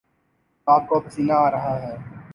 آپ کو پسینہ آرہا ہے